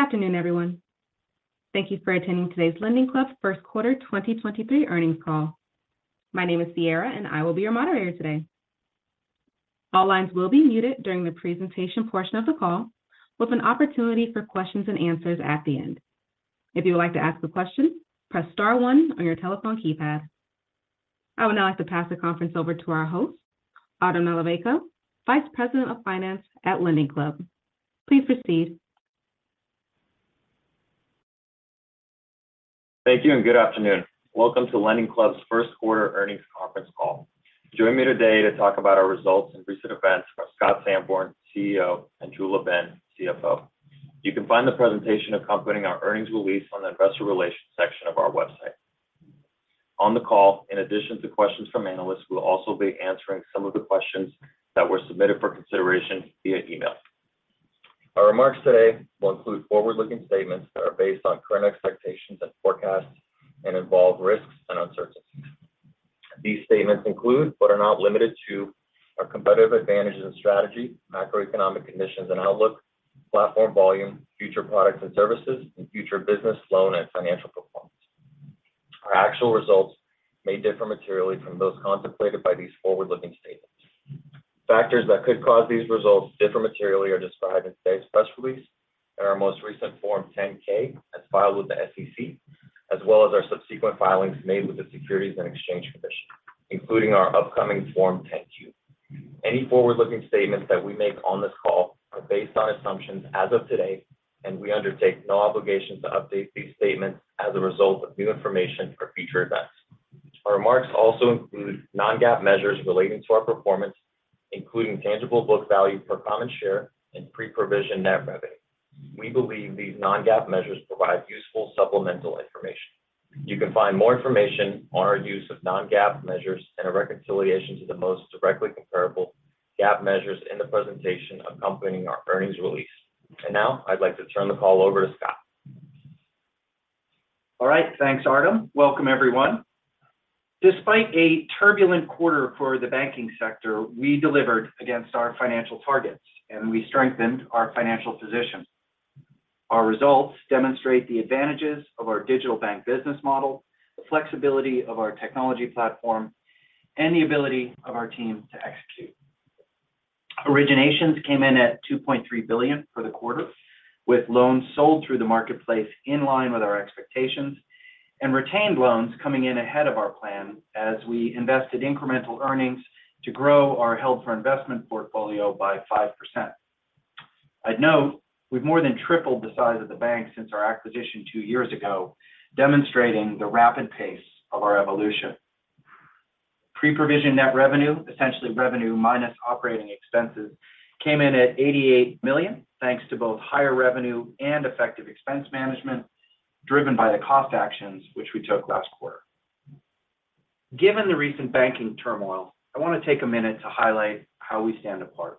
Good afternoon, everyone. Thank you for attending today's LendingClub first quarter 2023 earnings call. My name is Sierra. I will be your moderator today. All lines will be muted during the presentation portion of the call, with an opportunity for questions and answers at the end. If you would like to ask a question, press star one on your telephone keypad. I would now like to pass the conference over to our host, Artem Nalivayko, Vice President of Finance at LendingClub. Please proceed. Thank you and good afternoon. Welcome to LendingClub's first quarter earnings conference call. Joining me today to talk about our results and recent events are Scott Sanborn, CEO, and Drew LaBenne, CFO. You can find the presentation accompanying our earnings release on the investor relations section of our website. On the call, in addition to questions from analysts, we'll also be answering some of the questions that were submitted for consideration via email. Our remarks today will include forward-looking statements that are based on current expectations and forecasts and involve risks and uncertainties. These statements include, but are not limited to, our competitive advantages and strategy, macroeconomic conditions and outlook, platform volume, future products and services, and future business, loan, and financial performance. Our actual results may differ materially from those contemplated by these forward-looking statements. Factors that could cause these results to differ materially are described in today's press release and our most recent Form 10-K as filed with the SEC, as well as our subsequent filings made with the Securities and Exchange Commission, including our upcoming Form 10-Q. Any forward-looking statements that we make on this call are based on assumptions as of today, and we undertake no obligation to update these statements as a result of new information or future events. Our remarks also include non-GAAP measures relating to our performance, including tangible book value per common share and pre-provision net revenue. We believe these non-GAAP measures provide useful supplemental information. You can find more information on our use of non-GAAP measures and a reconciliation to the most directly comparable GAAP measures in the presentation accompanying our earnings release. Now I'd like to turn the call over to Scott. All right. Thanks, Artem. Welcome, everyone. Despite a turbulent quarter for the banking sector, we delivered against our financial targets. We strengthened our financial position. Our results demonstrate the advantages of our digital bank business model, the flexibility of our technology platform, and the ability of our team to execute. Originations came in at $2.3 billion for the quarter, with loans sold through the marketplace in line with our expectations and retained loans coming in ahead of our plan as we invested incremental earnings to grow our held for investment portfolio by 5%. I'd note we've more than tripled the size of the bank since our acquisition two years ago, demonstrating the rapid pace of our evolution. Pre-provision net revenue, essentially revenue minus operating expenses, came in at $88 million, thanks to both higher revenue and effective expense management driven by the cost actions which we took last quarter. Given the recent banking turmoil, I want to take a minute to highlight how we stand apart.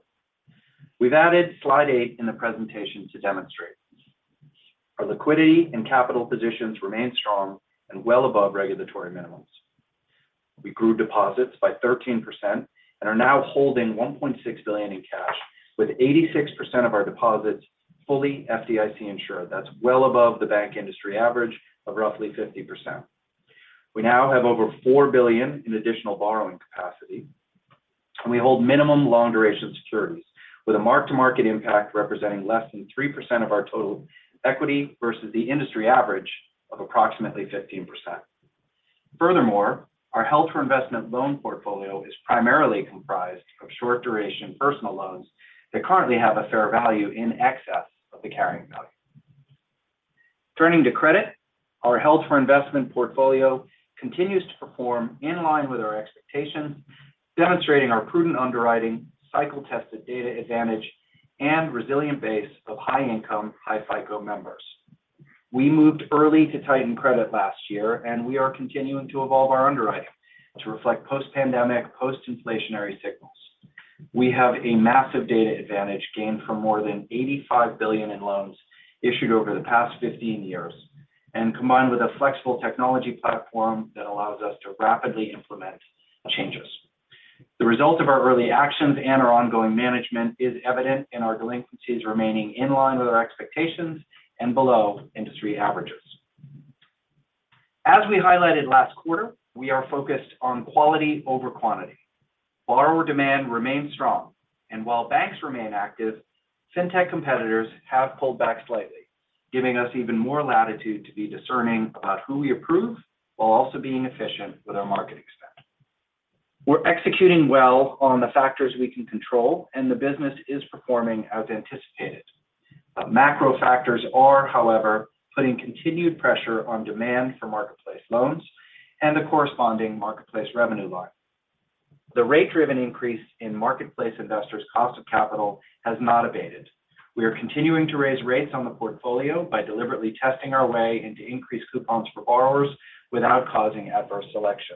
We've added slide eight in the presentation to demonstrate. Our liquidity and capital positions remain strong and well above regulatory minimums. We grew deposits by 13% and are now holding $1.6 billion in cash, with 86% of our deposits fully FDIC-insured. That's well above the bank industry average of roughly 50%. We now have over $4 billion in additional borrowing capacity. We hold minimum long-duration securities with a mark-to-market impact representing less than 3% of our total equity versus the industry average of approximately 15%. Furthermore, our held for investment loan portfolio is primarily comprised of short-duration personal loans that currently have a fair value in excess of the carrying value. Turning to credit, our held for investment portfolio continues to perform in line with our expectations, demonstrating our prudent underwriting, cycle-tested data advantage, and resilient base of high-income, high FICO members. We moved early to tighten credit last year, and we are continuing to evolve our underwriting to reflect post-pandemic, post-inflationary signals. We have a massive data advantage gained from more than $85 billion in loans issued over the past 15 years and combined with a flexible technology platform that allows us to rapidly implement changes. The result of our early actions and our ongoing management is evident in our delinquencies remaining in line with our expectations and below industry averages. As we highlighted last quarter, we are focused on quality over quantity. Borrower demand remains strong, and while banks remain active, fintech competitors have pulled back slightly, giving us even more latitude to be discerning about who we approve while also being efficient with our marketing spend. We're executing well on the factors we can control, and the business is performing as anticipated. Macro factors are, however, putting continued pressure on demand for Marketplace Loans and the corresponding marketplace revenue line. The rate-driven increase in marketplace investors' cost of capital has not abated. We are continuing to raise rates on the portfolio by deliberately testing our way into increased coupons for borrowers without causing adverse selection.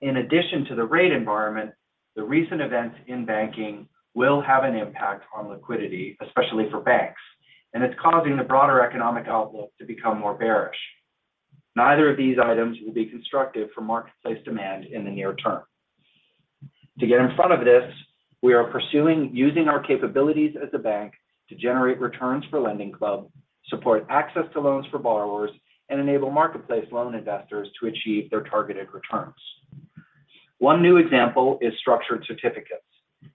In addition to the rate environment, the recent events in banking will have an impact on liquidity, especially for banks, and it's causing the broader economic outlook to become more bearish. Neither of these items will be constructive for marketplace demand in the near term. To get in front of this, we are pursuing using our capabilities as a bank to generate returns for LendingClub, support access to loans for borrowers, and enable Marketplace Loan investors to achieve their targeted returns. One new example is structured certificates,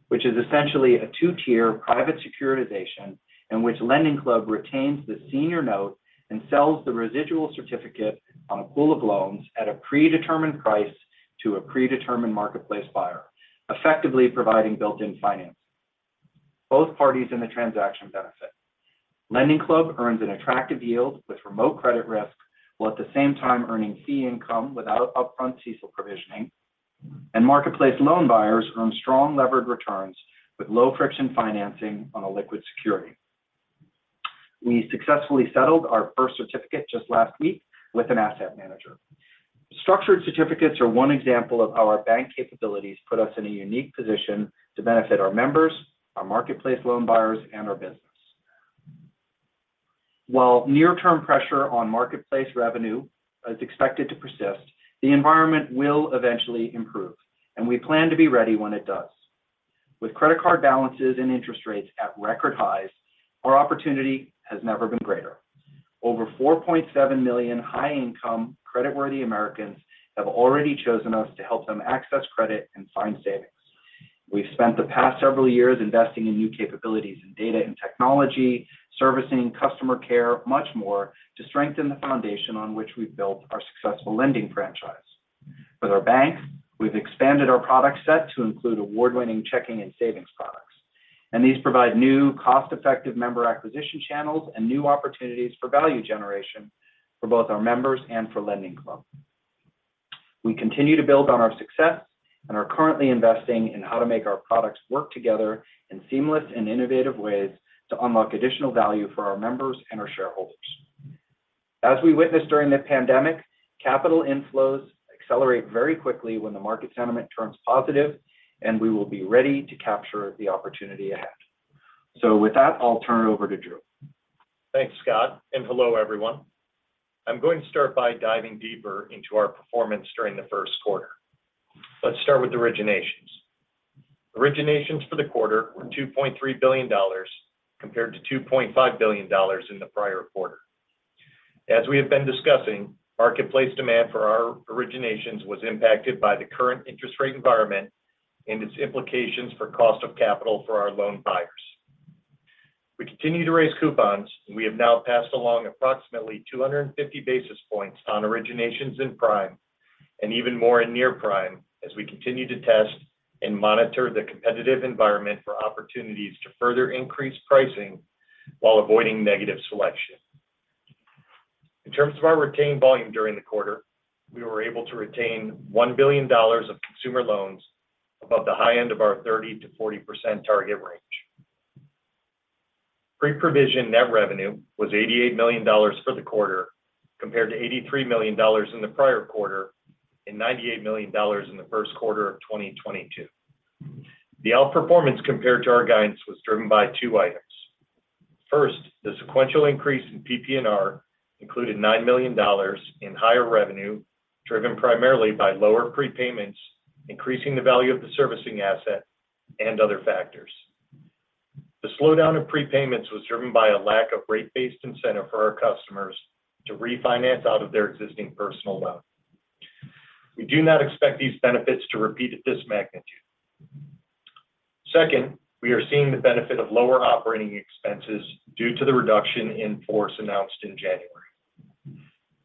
which is essentially a two-tier private securitization in which LendingClub retains the senior note and sells the residual certificate on a pool of loans at a predetermined price to a predetermined marketplace buyer, effectively providing built-in finance. Both parties in the transaction benefit. LendingClub earns an attractive yield with remote credit risk, while at the same time earning fee income without upfront CECL provisioning. Marketplace Loan buyers earn strong levered returns with low friction financing on a liquid security. We successfully settled our first certificate just last week with an asset manager. Structured certificates are one example of how our bank capabilities put us in a unique position to benefit our members, our Marketplace Loan buyers, and our business. While near term pressure on marketplace revenue is expected to persist, the environment will eventually improve, and we plan to be ready when it does. With credit card balances and interest rates at record highs, our opportunity has never been greater. Over 4.7 million high-income creditworthy Americans have already chosen us to help them access credit and find savings. We've spent the past several years investing in new capabilities in data and technology, servicing, customer care, much more to strengthen the foundation on which we've built our successful LendingClub franchise. With our bank, we've expanded our product set to include award-winning checking and savings products. These provide new cost-effective member acquisition channels and new opportunities for value generation for both our members and for LendingClub. We continue to build on our success and are currently investing in how to make our products work together in seamless and innovative ways to unlock additional value for our members and our shareholders. As we witnessed during the pandemic, capital inflows accelerate very quickly when the market sentiment turns positive, and we will be ready to capture the opportunity ahead. With that, I'll turn it over to Drew. Thanks, Scott, hello, everyone. I'm going to start by diving deeper into our performance during the first quarter. Let's start with originations. Originations for the quarter were $2.3 billion compared to $2.5 billion in the prior quarter. As we have been discussing, marketplace demand for our originations was impacted by the current interest rate environment and its implications for cost of capital for our loan buyers. We continue to raise coupons, and we have now passed along approximately 250 basis points on originations in prime and even more in near prime as we continue to test and monitor the competitive environment for opportunities to further increase pricing while avoiding negative selection. In terms of our retained volume during the quarter, we were able to retain $1 billion of consumer loans above the high end of our 30%-40% target range. Pre-provision net revenue was $88 million for the quarter, compared to $83 million in the prior quarter and $98 million in the first quarter of 2022. The outperformance compared to our guidance was driven by two items. First, the sequential increase in PPNR included $9 million in higher revenue, driven primarily by lower prepayments, increasing the value of the servicing asset and other factors. The slowdown of prepayments was driven by a lack of rate-based incentive for our customers to refinance out of their existing personal loan. We do not expect these benefits to repeat at this magnitude. Second, we are seeing the benefit of lower operating expenses due to the reduction in force announced in January.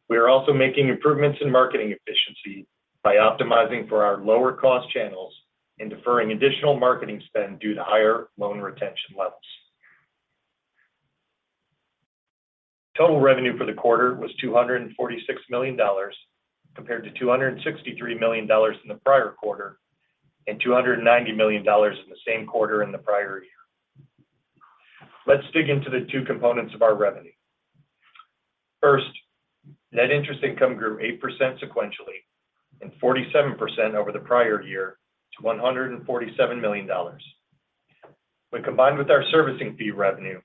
We are also making improvements in marketing efficiency by optimizing for our lower cost channels and deferring additional marketing spend due to higher loan retention levels. Total revenue for the quarter was $246 million, compared to $263 million in the prior quarter and $290 million in the same quarter in the prior year. Let's dig into the two components of our revenue. First, net interest income grew 8% sequentially and 47% over the prior year to $147 million. When combined with our servicing fee revenue,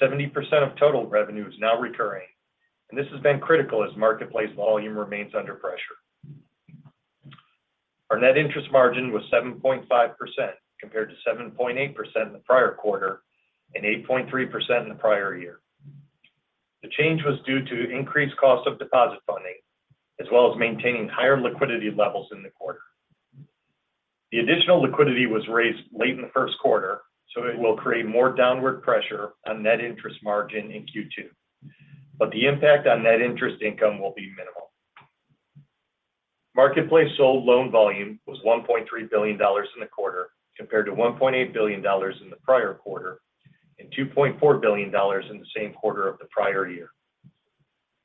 70% of total revenue is now recurring. This has been critical as marketplace volume remains under pressure. Our net interest margin was 7.5%, compared to 7.8% in the prior quarter and 8.3% in the prior year. The change was due to increased cost of deposit funding, as well as maintaining higher liquidity levels in the quarter. The additional liquidity was raised late in the first quarter, it will create more downward pressure on net interest margin in Q2. The impact on net interest income will be minimal. Marketplace sold loan volume was $1.3 billion in the quarter, compared to $1.8 billion in the prior quarter and $2.4 billion in the same quarter of the prior year.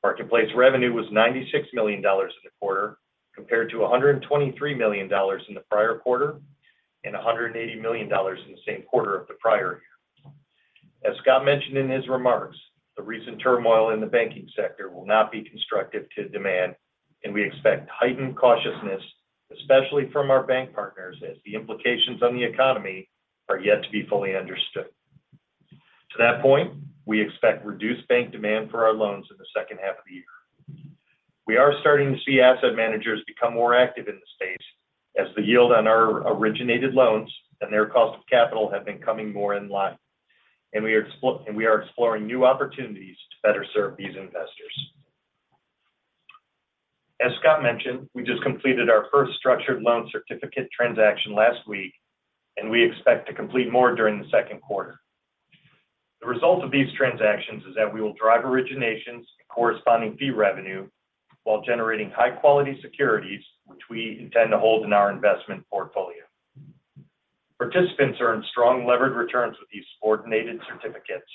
marketplace revenue was $96 million in the quarter, compared to $123 million in the prior quarter and $180 million in the same quarter of the prior year. As Scott mentioned in his remarks, the recent turmoil in the banking sector will not be constructive to demand. We expect heightened cautiousness, especially from our bank partners, as the implications on the economy are yet to be fully understood. To that point, we expect reduced bank demand for our loans in the second half of the year. We are starting to see asset managers become more active in the space as the yield on our originated loans and their cost of capital have been coming more in line. We are exploring new opportunities to better serve these investors. As Scott mentioned, we just completed our first structured loan certificate transaction last week, and we expect to complete more during the second quarter. The result of these transactions is that we will drive originations and corresponding fee revenue while generating high-quality securities, which we intend to hold in our investment portfolio. Participants earn strong levered returns with these subordinated certificates,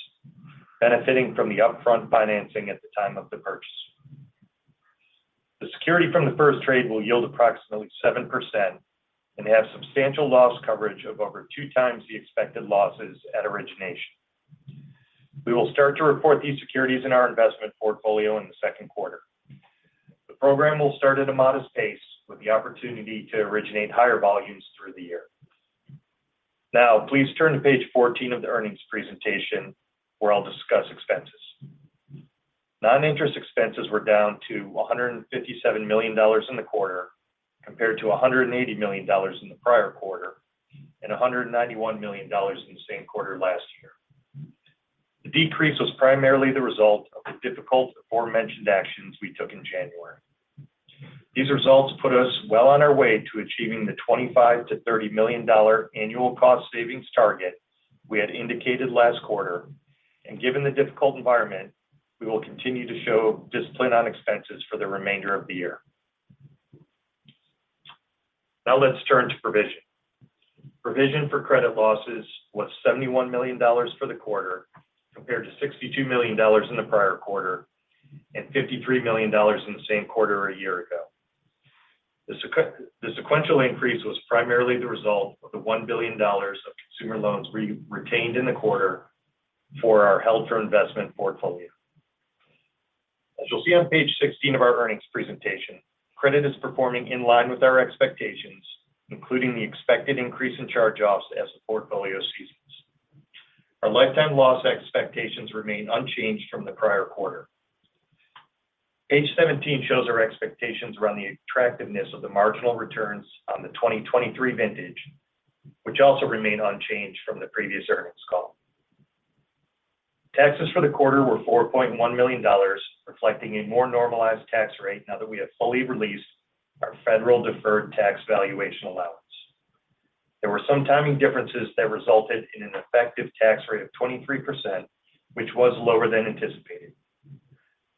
benefiting from the upfront financing at the time of the purchase. The security from the first trade will yield approximately 7% and have substantial loss coverage of over 2x the expected losses at origination. We will start to report these securities in our investment portfolio in the second quarter. The program will start at a modest pace with the opportunity to originate higher volumes through the year. Please turn to page 14 of the earnings presentation, where I'll discuss expenses. Non-interest expenses were down to $157 million in the quarter compared to $180 million in the prior quarter and $191 million in the same quarter last year. The decrease was primarily the result of the difficult aforementioned actions we took in January. These results put us well on our way to achieving the $25 million-$30 million annual cost savings target we had indicated last quarter. Given the difficult environment, we will continue to show discipline on expenses for the remainder of the year. Now let's turn to provision. Provision for credit losses was $71 million for the quarter, compared to $62 million in the prior quarter and $53 million in the same quarter a year ago. The sequential increase was primarily the result of the $1 billion of consumer loans retained in the quarter for our held for investment portfolio. As you'll see on page 16 of our earnings presentation, credit is performing in line with our expectations, including the expected increase in charge-offs as the portfolio seasons. Our lifetime loss expectations remain unchanged from the prior quarter. Page 17 shows our expectations around the attractiveness of the marginal returns on the 2023 vintage, which also remain unchanged from the previous earnings call. Taxes for the quarter were $4.1 million, reflecting a more normalized tax rate now that we have fully released our federal deferred tax valuation allowance. There were some timing differences that resulted in an effective tax rate of 23%, which was lower than anticipated.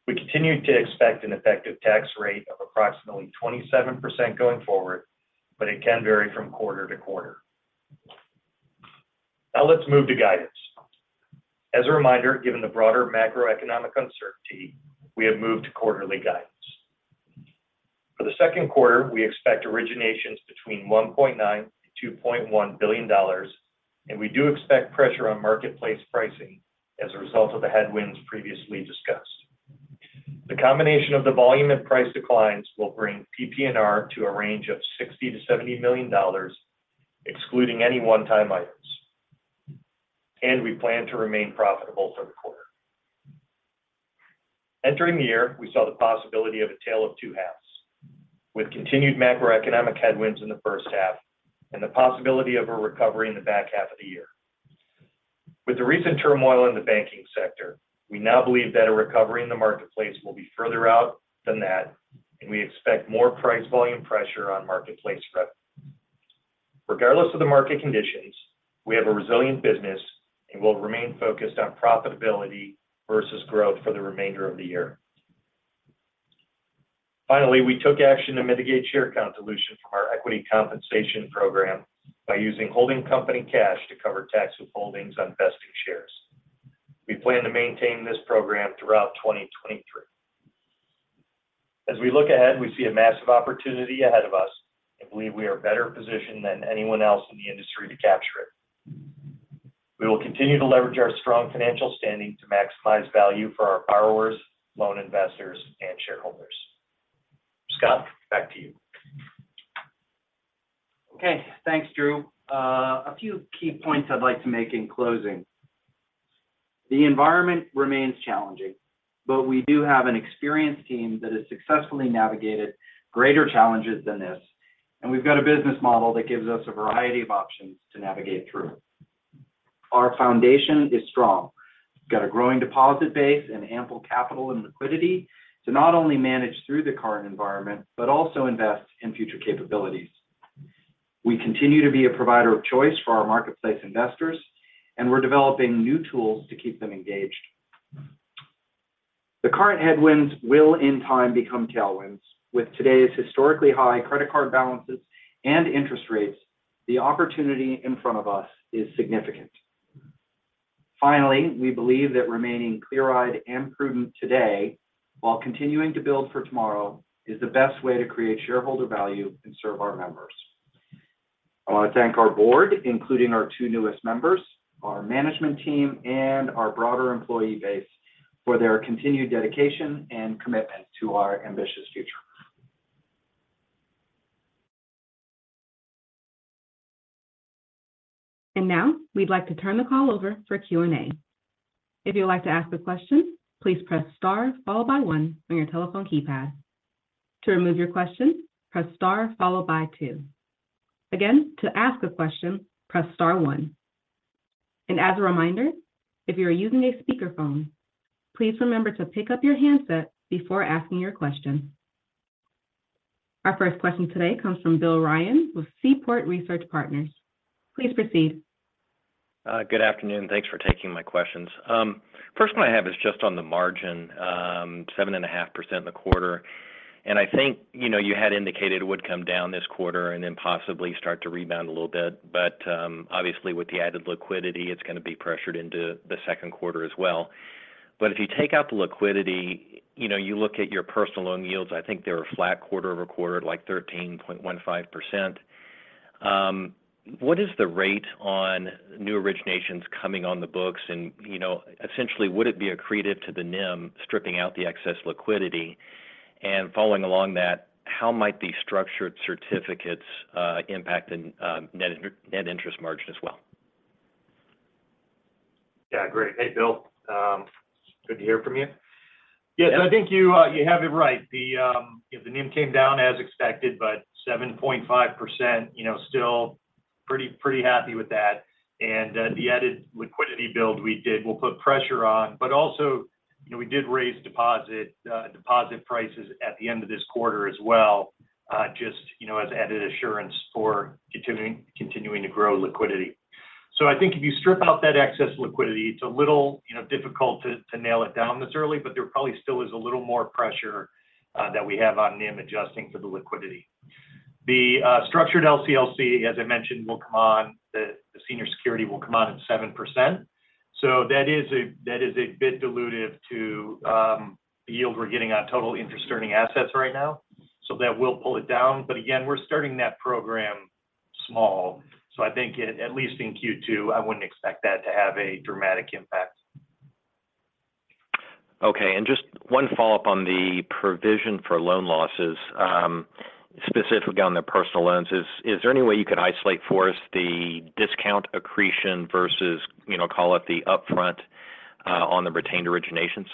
We continue to expect an effective tax rate of approximately 27% going forward, it can vary from quarter to quarter. Let's move to guidance. As a reminder, given the broader macroeconomic uncertainty, we have moved to quarterly guidance. For the second quarter, we expect originations between $1.9 billion, $2.1 billion, we do expect pressure on marketplace pricing as a result of the headwinds previously discussed. The combination of the volume and price declines will bring PPNR to a range of $60 million-$70 million, excluding any one-time items. We plan to remain profitable for the quarter. Entering the year, we saw the possibility of a tale of two halves. With continued macroeconomic headwinds in the first half and the possibility of a recovery in the back half of the year. With the recent turmoil in the banking sector, we now believe that a recovery in the marketplace will be further out than that, and we expect more price volume pressure on marketplace revenue. Regardless of the market conditions, we have a resilient business and will remain focused on profitability versus growth for the remainder of the year. Finally, we took action to mitigate share count dilution from our equity compensation program by using holding company cash to cover tax withholdings on vested shares. We plan to maintain this program throughout 2023. As we look ahead, we see a massive opportunity ahead of us and believe we are better positioned than anyone else in the industry to capture it. We will continue to leverage our strong financial standing to maximize value for our borrowers, loan investors, and shareholders. Scott, back to you. Okay. Thanks, Drew. A few key points I'd like to make in closing. The environment remains challenging, but we do have an experienced team that has successfully navigated greater challenges than this, and we've got a business model that gives us a variety of options to navigate through. Our foundation is strong. We've got a growing deposit base and ample capital and liquidity to not only manage through the current environment, but also invest in future capabilities. We continue to be a provider of choice for our marketplace investors, and we're developing new tools to keep them engaged. The current headwinds will in time become tailwinds. With today's historically high credit card balances and interest rates, the opportunity in front of us is significant. We believe that remaining clear-eyed and prudent today while continuing to build for tomorrow is the best way to create shareholder value and serve our members. I want to thank our board, including our two newest members, our management team, and our broader employee base for their continued dedication and commitment to our ambitious future. Now we'd like to turn the call over for Q&A. If you would like to ask a question, please press star followed by one on your telephone keypad. To remove your question, press star followed by two. Again, to ask a question, press star one. As a reminder, if you are using a speakerphone, please remember to pick up your handset before asking your question. Our first question today comes from Bill Ryan with Seaport Research Partners. Please proceed. Good afternoon, thanks for taking my questions. First one I have is just on the margin, 7.5% in the quarter. I think, you know, you had indicated it would come down this quarter and then possibly start to rebound a little bit. Obviously with the added liquidity, it's going to be pressured into the second quarter as well. If you take out the liquidity, you know, you look at your personal loan yields, I think they were flat quarter-over-quarter at, like, 13.15%. What is the rate on new originations coming on the books? Essentially, would it be accretive to the NIM stripping out the excess liquidity? Following along that, how might these structured certificates impact in net interest margin as well? Yeah. Great. Hey, Bill. good to hear from you. Yeah, I think you have it right. The, you know, the NIM came down as expected, but 7.5%, you know, still pretty happy with that. The added liquidity build we did will put pressure on. Also, you know, we did raise deposit prices at the end of this quarter as well, just, you know, as added assurance for continuing to grow liquidity. I think if you strip out that excess liquidity, it's a little, you know, difficult to nail it down this early, but there probably still is a little more pressure that we have on NIM adjusting for the liquidity. The Structured LCLC, as I mentioned, will come on. The senior security will come on at 7%. That is a bit dilutive to the yield we're getting on total interest-earning assets right now. That will pull it down. Again, we're starting that program small. I think at least in Q2, I wouldn't expect that to have a dramatic impact. Okay. Just one follow-up on the provision for loan losses. Specifically on the personal loans. Is there any way you could isolate for us the discount accretion versus, you know, call it the upfront, on the retained originations?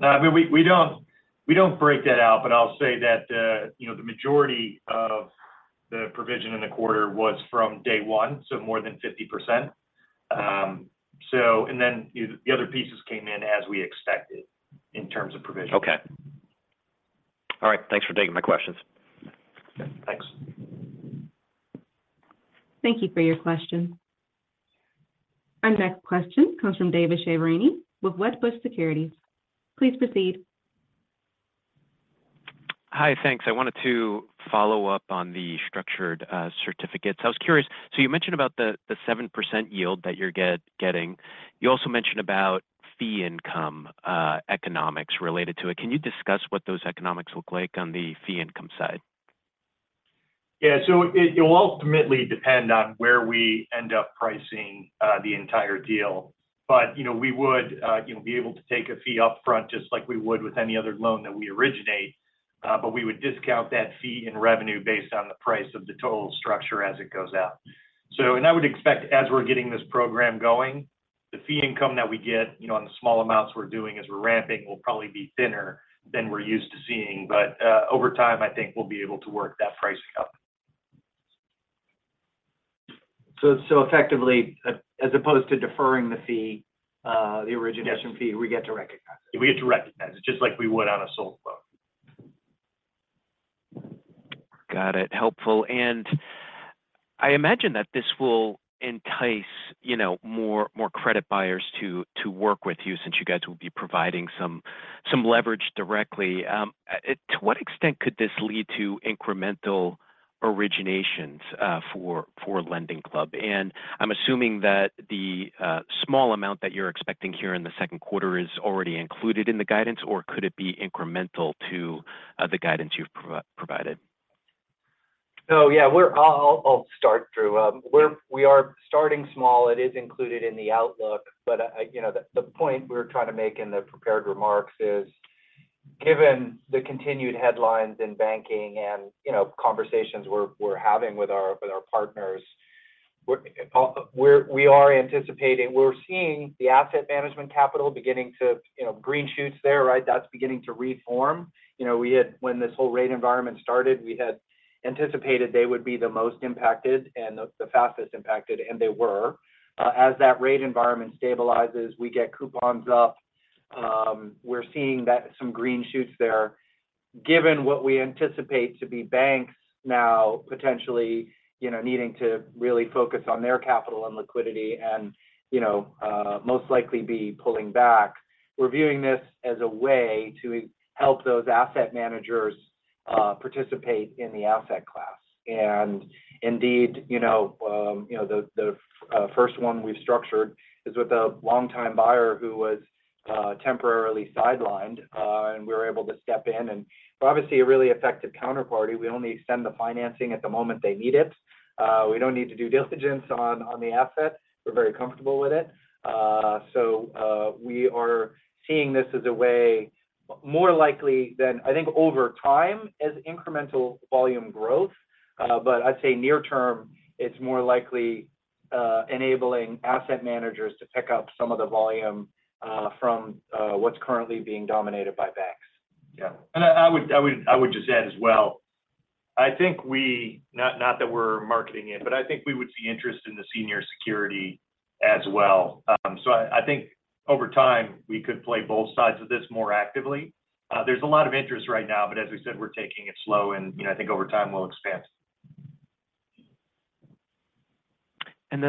No, I mean, we don't, we don't break that out, but I'll say that, you know, the majority of the provision in the quarter was from day one, so more than 50%. The other pieces came in as we expected in terms of provision. Okay. All right. Thanks for taking my questions. Yeah. Thanks. Thank you for your question. Our next question comes from David Chiaverini with Wedbush Securities. Please proceed. Hi. Thanks. I wanted to follow up on the structured certificates. I was curious, you mentioned about the 7% yield that you're getting. You also mentioned about fee income, economics related to it. Can you discuss what those economics look like on the fee income side? Yeah. It will ultimately depend on where we end up pricing the entire deal. You know, we would, you know, be able to take a fee up front just like we would with any other loan that we originate. We would discount that fee and revenue based on the price of the total structure as it goes out. And I would expect as we're getting this program going, the fee income that we get, you know, on the small amounts we're doing as we're ramping will probably be thinner than we're used to seeing. Over time, I think we'll be able to work that price up. Effectively, as opposed to deferring the fee. Yes. -fee, we get to recognize it. We get to recognize it just like we would on a sold loan. Got it. Helpful. I imagine that this will entice, you know, more, more credit buyers to work with you since you guys will be providing some leverage directly. To what extent could this lead to incremental originations for LendingClub? I'm assuming that the small amount that you're expecting here in the second quarter is already included in the guidance, or could it be incremental to the guidance you've provided? Yeah, I'll start. It's Drew. We are starting small. It is included in the outlook. You know, the point we're trying to make in the prepared remarks is, given the continued headlines in banking and, you know, conversations we're having with our partners, we are anticipating We're seeing the asset management capital beginning to, you know, green shoots there, right? That's beginning to reform. You know, when this whole rate environment started, we had anticipated they would be the most impacted and the fastest impacted, and they were. As that rate environment stabilizes, we get coupons up. We're seeing that some green shoots there. Given what we anticipate to be banks now, potentially, you know, needing to really focus on their capital and liquidity and, you know, most likely be pulling back, we're viewing this as a way to help those asset managers participate in the asset class. Indeed, you know, you know, the first one we've structured is with a longtime buyer who was temporarily sidelined. We were able to step in and we're obviously a really effective counterparty. We only extend the financing at the moment they need it. We don't need to due diligence on the asset. We're very comfortable with it. We are seeing this as a way More likely than I think over time as incremental volume growth. I'd say near term, it's more likely, enabling asset managers to pick up some of the volume, from, what's currently being dominated by banks. Yeah. I would just add as well. Not that we're marketing it, but I think we would see interest in the senior security as well. I think over time, we could play both sides of this more actively. There's a lot of interest right now, but as we said, we're taking it slow, and, you know, I think over time we'll expand.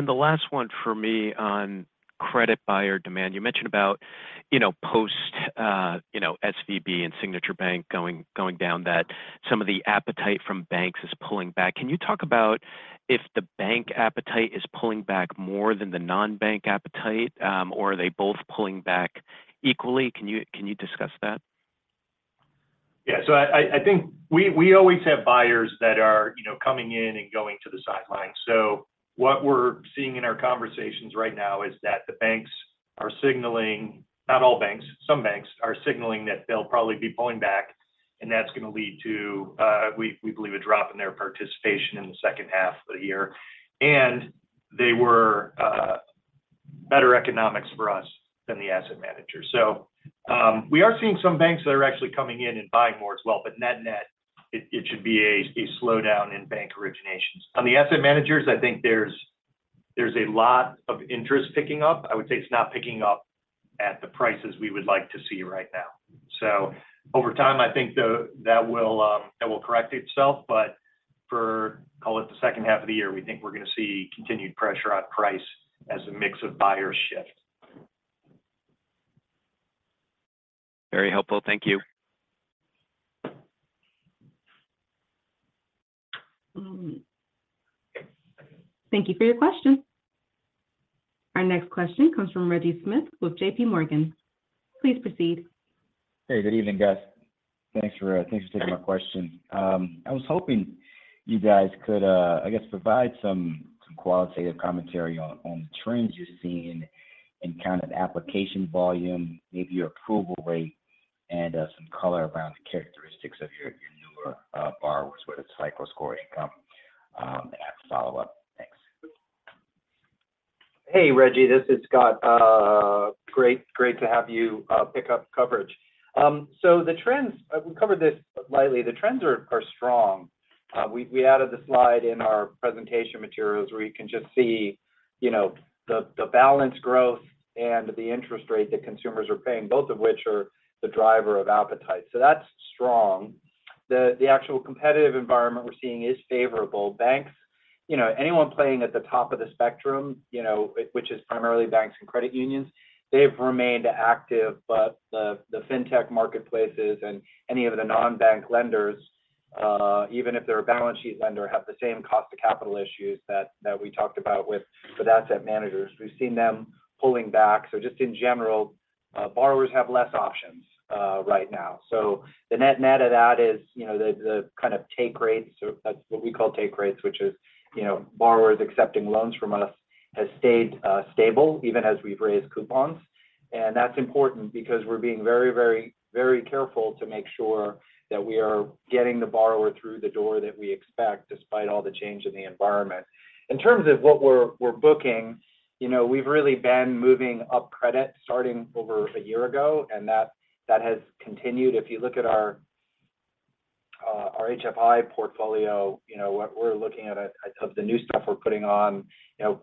The last one for me on credit buyer demand. You mentioned about, you know, post, you know, SVB and Signature Bank going down that some of the appetite from banks is pulling back. Can you talk about if the bank appetite is pulling back more than the non-bank appetite, or are they both pulling back equally? Can you discuss that? Yeah. I, I think we always have buyers that are, you know, coming in and going to the sidelines. What we're seeing in our conversations right now is that the banks are signaling, not all banks, some banks are signaling that they'll probably be pulling back, and that's gonna lead to, we believe a drop in their participation in the second half of the year. They were better economics for us than the asset managers. We are seeing some banks that are actually coming in and buying more as well. Net net, it should be a slowdown in bank originations. On the asset managers, I think there's a lot of interest picking up. I would say it's not picking up at the prices we would like to see right now. Over time, I think that will, that will correct itself. For, call it the second half of the year, we think we're gonna see continued pressure on price as the mix of buyers shift. Very helpful. Thank you. Thank you for your question. Our next question comes from Reggie Smith with JPMorgan. Please proceed. Hey, good evening, guys. Thanks for, thanks for taking my question. I was hoping you guys could, I guess provide some qualitative commentary on the trends you're seeing in kind of application volume, maybe your approval rate, and some color around the characteristics of your newer borrowers with FICO score income. I have a follow-up. Thanks. Hey, Reggie. This is Scott. Great to have you pick up coverage. The trends, we covered this lightly. The trends are strong. We added the slide in our presentation materials where you can just see, you know, the balance growth and the interest rate that consumers are paying, both of which are the driver of appetite. That's strong. The actual competitive environment we're seeing is favorable. Banks, you know, anyone playing at the top of the spectrum, you know, which is primarily banks and credit unions, they've remained active. The fintech marketplaces and any of the non-bank lenders, even if they're a balance sheet lender, have the same cost to capital issues that we talked about with the asset managers. We've seen them pulling back. Just in general, borrowers have less options right now. The net net of that is, you know, the kind of take rates or that's what we call take rates, which is, you know, borrowers accepting loans from us, has stayed stable even as we've raised coupons. That's important because we're being very, very, very careful to make sure that we are getting the borrower through the door that we expect despite all the change in the environment. In terms of what we're booking, you know, we've really been moving up credit starting over a year ago, that has continued. If you look at our HFI portfolio, you know what we're looking at it of the new stuff we're putting on. You know,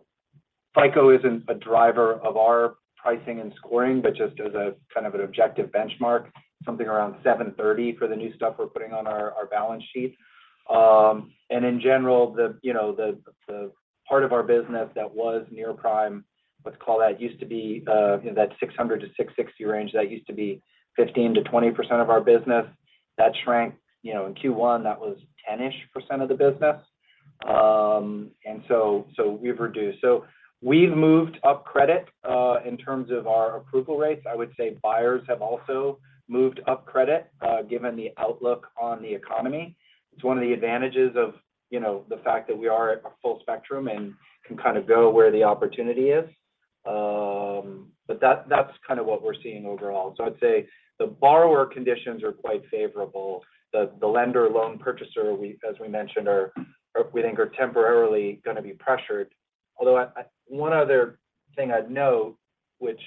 FICO isn't a driver of our pricing and scoring, but just as a kind of an objective benchmark, something around 730 for the new stuff we're putting on our balance sheet. In general, the, you know, the part of our business that was near prime, let's call that used to be, you know, that 600-660 range, that used to be 15%-20% of our business. That shrank. You know, in Q1, that was 10%-ish of the business. We've reduced. We've moved up credit, in terms of our approval rates. I would say buyers have also moved up credit, given the outlook on the economy. It's one of the advantages of, you know, the fact that we are a full spectrum and can kind of go where the opportunity is. That's, that's kind of what we're seeing overall. I'd say the borrower conditions are quite favorable. The, the lender loan purchaser, as we mentioned, are we think are temporarily gonna be pressured. One other thing I'd note, which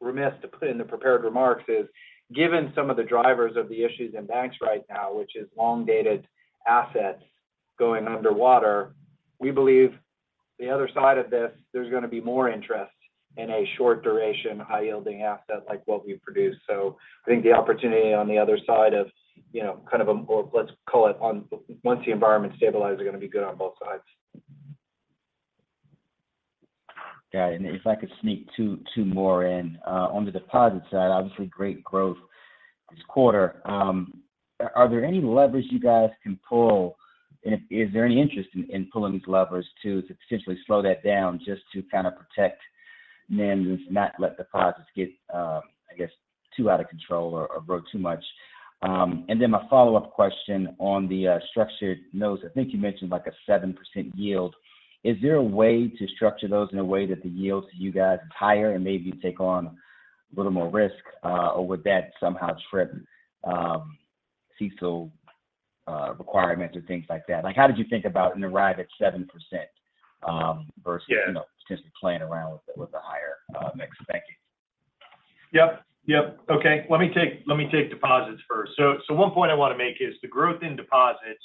we missed to put in the prepared remarks is, given some of the drivers of the issues in banks right now, which is long-dated assets going underwater, we believe the other side of this, there's gonna be more interest in a short duration, high-yielding asset like what we produce. I think the opportunity on the other side of, you know, kind of a more, let's call it once the environment stabilizes, are gonna be good on both sides. Got it. If I could sneak two more in. On the deposit side, obviously great growth this quarter. Are there any levers you guys can pull? Is there any interest in pulling these levers to potentially slow that down just to kind of protect NIMs, not let deposits get, I guess, too out of control or grow too much? My follow-up question on the structured notes. I think you mentioned like a 7% yield. Is there a way to structure those in a way that the yields to you guys is higher and maybe you take on a little more risk, or would that somehow trip CECL requirements or things like that? Like, how did you think about and arrive at 7% versus— Yeah — you know, potentially playing around with a, with a higher, mixed banking? Yep. Yep. Okay. Let me take deposits first. One point I want to make is the growth in deposits,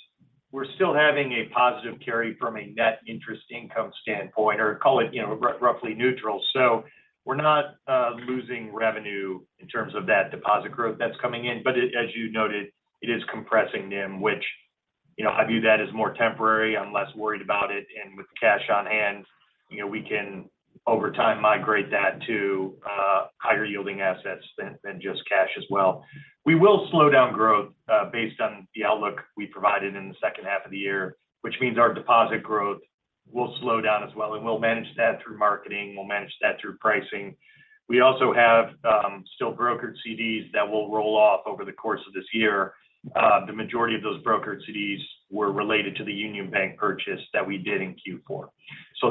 we're still having a positive carry from a net interest income standpoint, or call it, you know, roughly neutral. We're not losing revenue in terms of that deposit growth that's coming in. As you noted, it is compressing NIM, which, you know, I view that as more temporary. I'm less worried about it. With cash on hand, you know, we can over time migrate that to higher yielding assets than just cash as well. We will slow down growth based on the outlook we provided in the second half of the year, which means our deposit growth will slow down as well, and we'll manage that through marketing, we'll manage that through pricing. We also have still brokered CDs that will roll off over the course of this year. The majority of those brokered CDs were related to the Union Bank purchase that we did in Q4.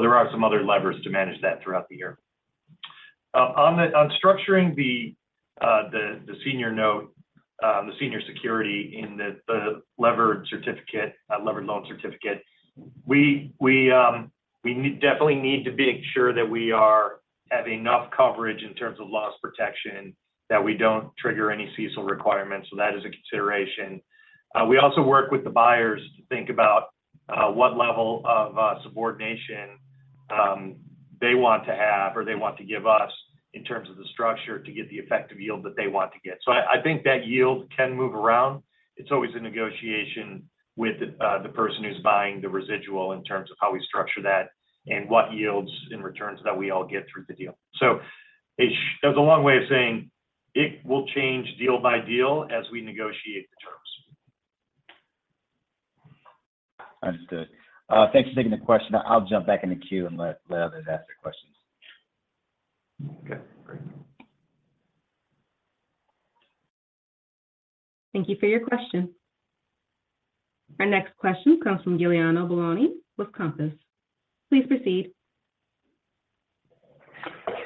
There are some other levers to manage that throughout the year. On structuring the senior note, the senior security in the levered certificate, levered loan certificate, we definitely need to make sure that we are having enough coverage in terms of loss protection that we don't trigger any CECL requirements. That is a consideration. We also work with the buyers to think about what level of subordination they want to have or they want to give us in terms of the structure to get the effective yield that they want to get. I think that yield can move around. It's always a negotiation with the person who's buying the residual in terms of how we structure that and what yields and returns that we all get through the deal. There's a long way of saying it will change deal by deal as we negotiate the terms. Understood. Thanks for taking the question. I'll jump back in the queue and let others ask their questions. Okay, great. Thank you for your question. Our next question comes from Giuliano Bologna with Compass. Please proceed.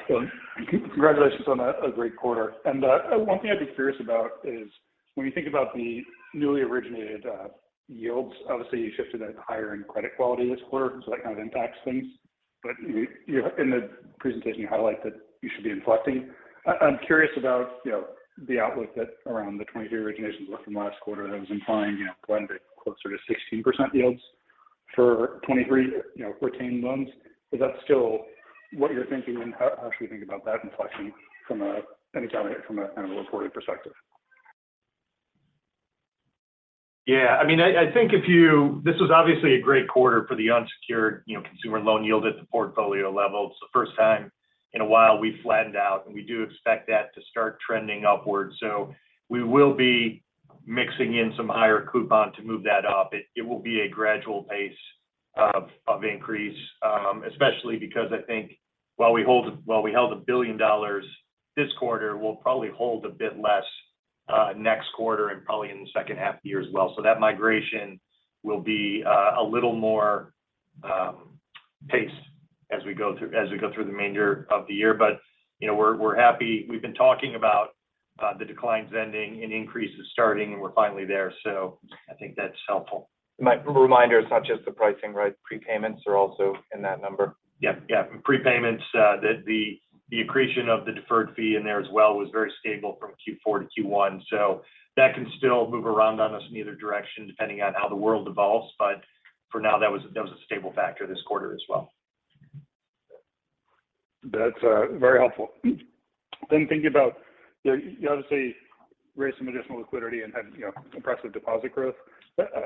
Well, congratulations on a great quarter. One thing I'd be curious about is when you think about the newly originated yields, obviously you shifted at higher end credit quality this quarter, so that kind of impacts things. You in the presentation, you highlight that you should be inflecting. I'm curious about, you know, the outlook that around the 2023 originations were from last quarter that was implying, you know, blended closer to 16% yields for 2023, you know, retained loans. Is that still what you're thinking? How should we think about that inflection I think, from a, kind of, a reported perspective? Yeah. I mean, I think this was obviously a great quarter for the unsecured, you know, consumer loan yield at the portfolio level. It's the first time in a while we flattened out. We do expect that to start trending upwards. We will be mixing in some higher coupon to move that up. It will be a gradual pace of increase, especially because I think while we held $1 billion this quarter, we'll probably hold a bit less next quarter and probably in the second half of the year as well. That migration will be a little more paced as we go through, as we go through the remainder of the year. You know, we're happy. We've been talking about the declines ending and increases starting, and we're finally there. I think that's helpful. My reminder, it's not just the pricing, right? Pre-payments are also in that number. Yep. Yep. Pre-payments, the accretion of the deferred fee in there as well was very stable from Q4 to Q1. That can still move around on us in either direction depending on how the world evolves. For now, that was a stable factor this quarter as well. That's very helpful. Thinking about you obviously raised some additional liquidity and had, you know, impressive deposit growth.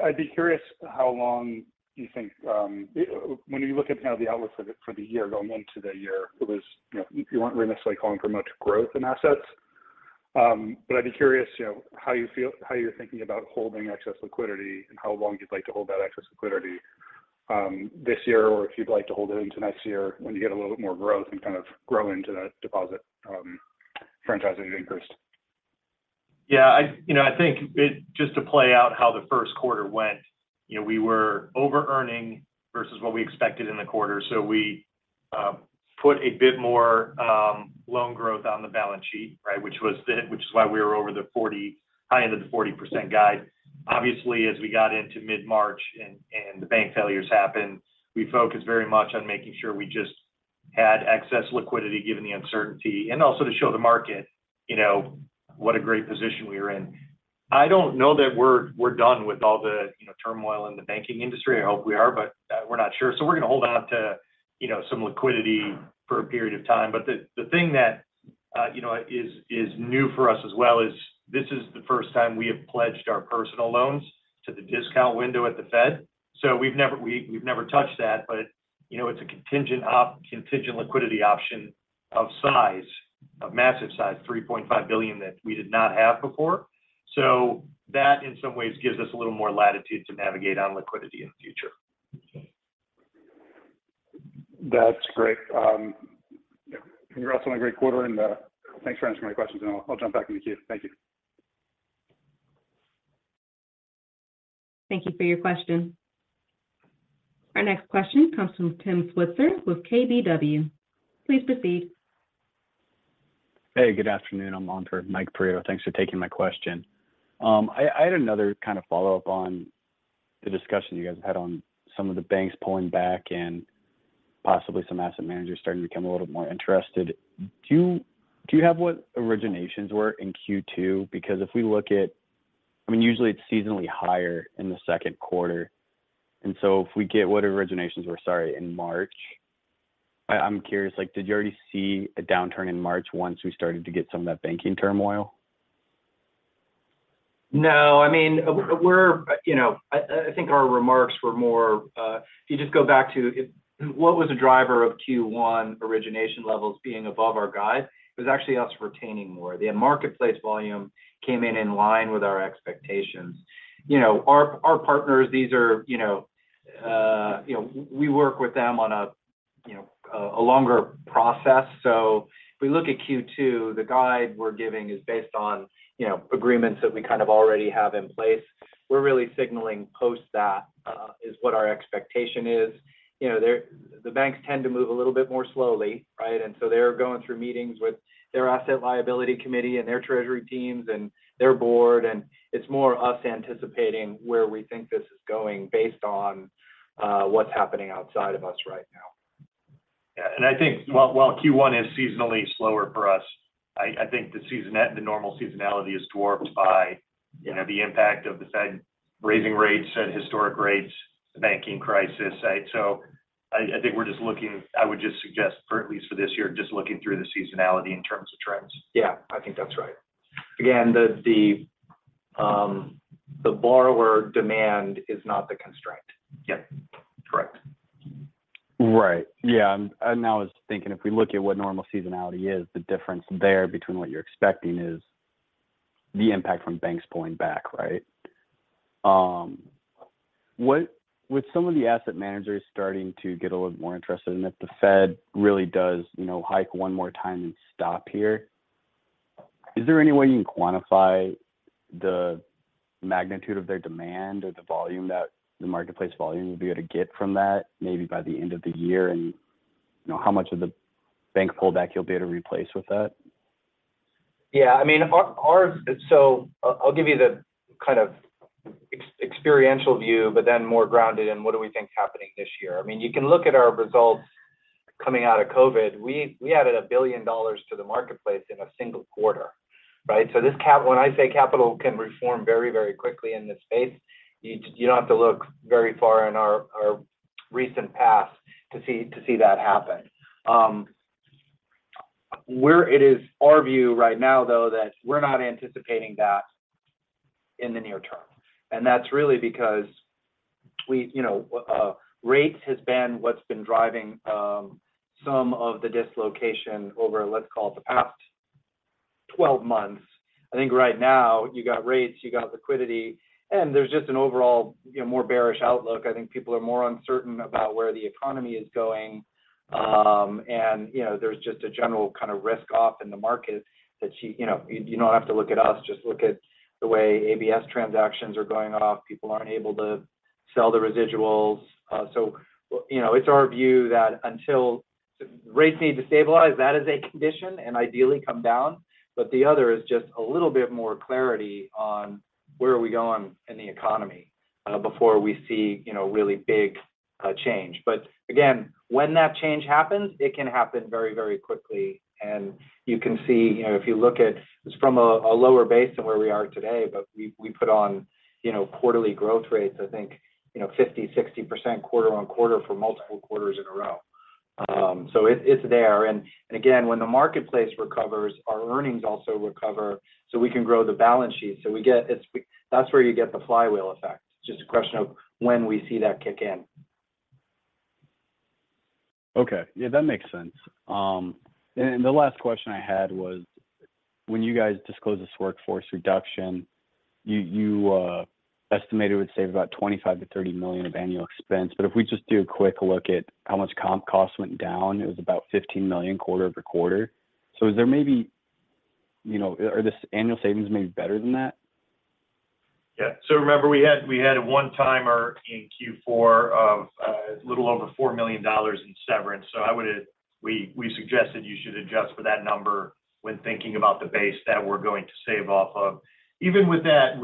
I'd be curious how long you think, when you look at kind of the outlook for the year going into the year, it was, you know, you weren't realistically calling for much growth in assets. I'd be curious, you know, how you're thinking about holding excess liquidity and how long you'd like to hold that excess liquidity this year or if you'd like to hold it into next year when you get a little bit more growth and kind of grow into that deposit franchising increase? Yeah. I, you know, I think just to play out how the first quarter went, you know, we were overearning versus what we expected in the quarter. We put a bit more loan growth on the balance sheet, right? Which is why we were over the 40%, high end of the 40% guide. Obviously, as we got into mid-March and the bank failures happened, we focused very much on making sure we just had excess liquidity given the uncertainty and also to show the market, you know, what a great position we were in. I don't know that we're done with all the, you know, turmoil in the banking industry. I hope we are, but we're not sure. We're gonna hold on to, you know, some liquidity for a period of time. The thing that, you know, is new for us as well is this is the first time we have pledged our personal loans to the discount window at the Fed. We've never touched that, but, you know, it's a contingent contingent liquidity option of size, of massive size, $3.5 billion that we did not have before. That, in some ways, gives us a little more latitude to navigate on liquidity in the future. That's great. yeah, congrats on a great quarter, and thanks for answering my questions, and I'll jump back in the queue. Thank you. Thank you for your question. Our next question comes from Tim Switzer with KBW. Please proceed. Hey, good afternoon. I'm on for Mike Perito. Thanks for taking my question. I had another kind of follow-up on the discussion you guys had on some of the banks pulling back and possibly some asset managers starting to become a little bit more interested. Do you have what originations were in Q2? If we look at... I mean, usually it's seasonally higher in the second quarter, and so if we get what originations were, sorry, in March, I'm curious, like, did you already see a downturn in March once we started to get some of that banking turmoil? No. I mean, you know, I think our remarks were more, if you just go back to what was the driver of Q1 origination levels being above our guide was actually us retaining more. The marketplace volume came in in line with our expectations. You know, our partners, these are, you know, you know, we work with them on a, you know, a longer process. If we look at Q2, the guide we're giving is based on, you know, agreements that we kind of already have in place. We're really signaling post that is what our expectation is. You know, the banks tend to move a little bit more slowly, right? They're going through meetings with their asset liability committee and their treasury teams and their board, and it's more us anticipating where we think this is going based on what's happening outside of us right now. Yeah. I think while Q1 is seasonally slower for us, I think the normal seasonality is dwarfed by, you know, the impact of the Fed raising rates at historic rates, the banking crisis, right? I would just suggest for at least for this year, just looking through the seasonality in terms of trends. Yeah, I think that's right. Again, the borrower demand is not the constraint. Yep. Correct. Right. Yeah. I was thinking if we look at what normal seasonality is, the difference there between what you're expecting is the impact from banks pulling back, right? With some of the asset managers starting to get a little bit more interested in if the Fed really does, you know, hike one more time and stop here, is there any way you can quantify the magnitude of their demand or the volume that the marketplace volume will be able to get from that maybe by the end of the year and, you know, how much of the bank pullback you'll be able to replace with that? I mean, our experiential view but then more grounded in what do we think happening this year. I mean, you can look at our results coming out of COVID. We added $1 billion to the marketplace in a single quarter, right? When I say capital can reform very, very quickly in this space, you don't have to look very far in our recent past to see that happen. It is our view right now, though, that we're not anticipating that in the near term. That's really because you know, rates has been what's been driving some of the dislocation over, let's call it, the past 12 months. I think right now you got rates, you got liquidity, and there's just an overall, you know, more bearish outlook. I think people are more uncertain about where the economy is going, and, you know, there's just a general kind of risk off in the market that you know, you don't have to look at us. Just look at the way ABS transactions are going off. People aren't able to sell the residuals. You know, it's our view that until rates need to stabilize, that is a condition and ideally come down. The other is just a little bit more clarity on where are we going in the economy before we see, you know, really big change. Again, when that change happens, it can happen very, very quickly. And you can see, you know, if you look at it's from a lower base than where we are today, but we put on, you know, quarterly growth rates, I think, you know, 50%, 60% quarter-on-quarter for multiple quarters in a row. It's there. Again, when the marketplace recovers, our earnings also recover, so we can grow the balance sheet. That's where you get the flywheel effect, just a question of when we see that kick in. Okay. Yeah, that makes sense. The last question I had was when you guys disclosed this workforce reduction, you estimated it would save about $25 million-$30 million of annual expense. If we just do a quick look at how much comp costs went down, it was about $15 million quarter-over-quarter. Is there maybe, you know... Are the annual savings maybe better than that? Remember we had a one-timer in Q4 of a little over $4 million in severance. We suggested you should adjust for that number when thinking about the base that we're going to save off of. Even with that,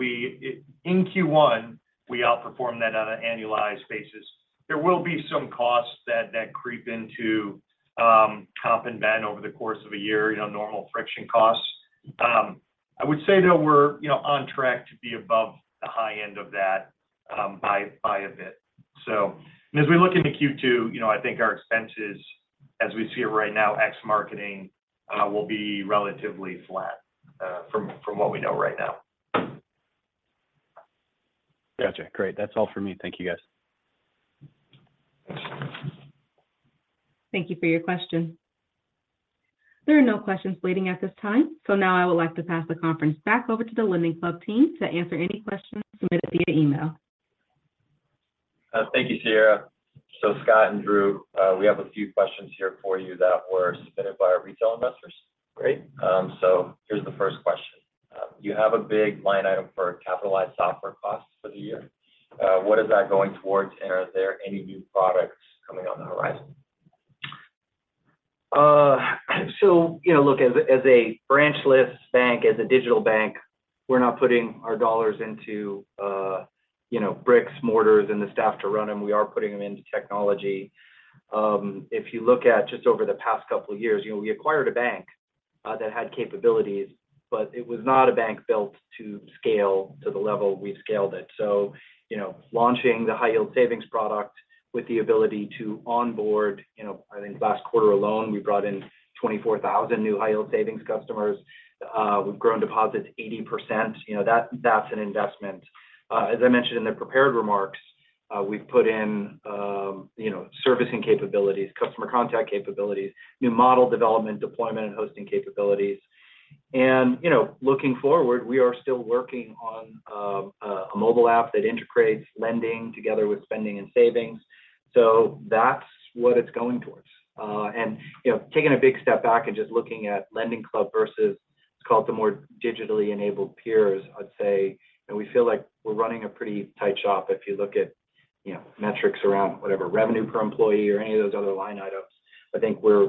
in Q1, we outperformed that on an annualized basis. There will be some costs that creep into comp and ben over the course of a year, you know, normal friction costs. I would say, though, we're, you know, on track to be above the high end of that by a bit. As we look into Q2, you know, I think our expenses, as we see it right now, ex marketing, will be relatively flat from what we know right now. Gotcha. Great. That's all for me. Thank you, guys. Thank you for your question. There are no questions waiting at this time. Now I would like to pass the conference back over to the LendingClub team to answer any questions submitted via email. Thank you, Sierra. Scott and Drew, we have a few questions here for you that were submitted by our retail investors. Great. Here's the first question. You have a big line item for capitalized software costs for the year. What is that going towards, and are there any new products coming on the horizon? You know, look, as a branchless bank, as a digital bank, we're not putting our dollars into, you know, bricks, mortars, and the staff to run them. We are putting them into technology. If you look at just over the past couple of years, you know, we acquired a bank that had capabilities, but it was not a bank built to scale to the level we've scaled it. You know, launching the high-yield savings product with the ability to onboard... You know, I think last quarter alone, we brought in 24,000 new high-yield savings customers. We've grown deposits 80%. You know, that's an investment. As I mentioned in the prepared remarks, we've put in, you know, servicing capabilities, customer contact capabilities, new model development, deployment, and hosting capabilities. You know, looking forward, we are still working on a mobile app that integrates lending together with spending and savings. That's what it's going towards. You know, taking a big step back and just looking at LendingClub versus its, call it, the more digitally enabled peers, I'd say, you know, we feel like we're running a pretty tight shop. If you look at, you know, metrics around whatever revenue per employee or any of those other line items, I think we're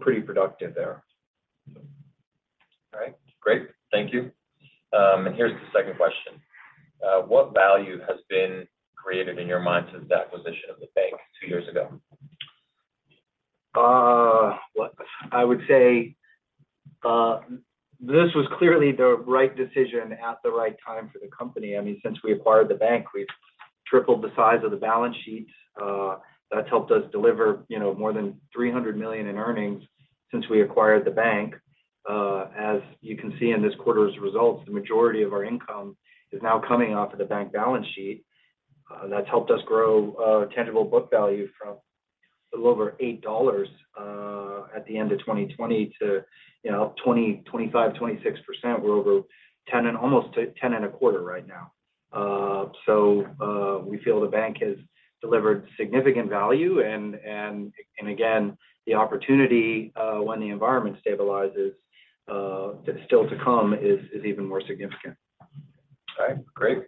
pretty productive there. All right. Great. Thank you. Here's the second question. What value has been created in your mind since the acquisition of the bank two years ago? I would say, this was clearly the right decision at the right time for the company. I mean, since we acquired the bank, we've tripled the size of the balance sheet. That's helped us deliver, you know, more than $300 million in earnings since we acquired the bank. As you can see in this quarter's results, the majority of our income is now coming off of the bank balance sheet. That's helped us grow tangible book value from a little over $8 at the end of 2020 to, you know, up 20%-26%. We're over $10 and almost to $10.25 right now. We feel the bank has delivered significant value and, again, the opportunity when the environment stabilizes, that's still to come is even more significant. All right. Great.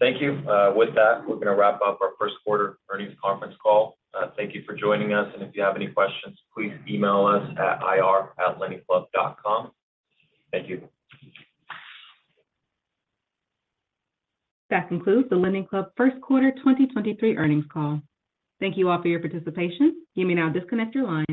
Thank you. With that, we're gonna wrap up our first quarter earnings conference call. Thank you for joining us, and if you have any questions, please email us at ir@lendingclub.com. Thank you. That concludes the LendingClub first quarter 2023 earnings call. Thank you all for your participation. You may now disconnect your lines.